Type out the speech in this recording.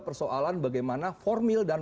persoalan bagaimana formil dan